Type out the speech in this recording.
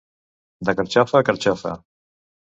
De carxofa a carxofa.